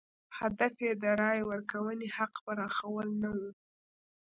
هدف یې د رایې ورکونې حق پراخوال نه و.